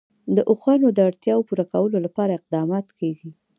د اوښانو د اړتیاوو پوره کولو لپاره اقدامات کېږي.